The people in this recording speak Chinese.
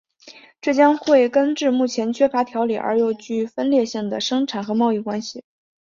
这将会根治目前缺乏条理而又具分裂性的生产和贸易关系。